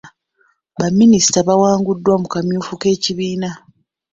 Baminisita bawanguddwa mu kamyufu k'ebibiina.